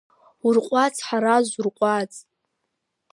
Урҟәаҵ, Ҳараз, урҟәаҵ.